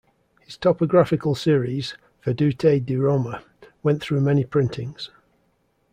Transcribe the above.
His topographical series, "Vedute di Roma", went through many printings.